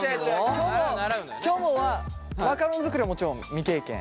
きょもはマカロン作りはもちろん未経験。